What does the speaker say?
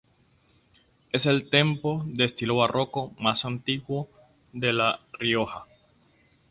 Es el templo de estilo barroco más antiguo de La Rioja.